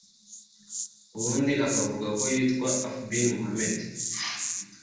ubundi akavuga ko yitwa Affubin Muhamed